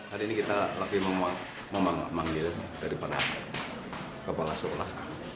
hari ini kita lagi memanggil dari kepala sekolah